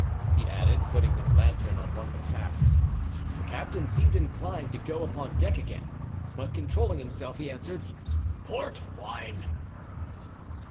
he added, putting his lantern on one of the casks. The captain seemed inclined to go upon deck again, but controlling himself he answered: "Port wine."